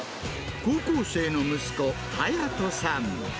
高校生の息子、はやとさん。